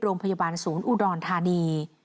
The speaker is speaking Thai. โรงพยาบาลศูนย์อุดรธานี